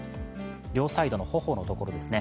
両サイドの頬のところですね